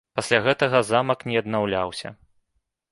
Пасля гэтага замак не аднаўляўся.